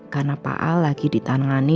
karena pak a lagi ditangani